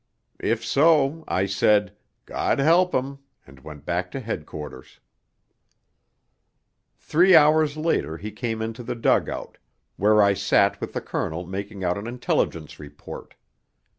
_" If so,' I said, 'God help him,' and went back to Headquarters. Three hours later he came into the dug out, where I sat with the Colonel making out an Intelligence Report.